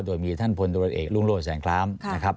โดยมีท่านพลตรวจเอกรุ่งโรธแสงคล้ามนะครับ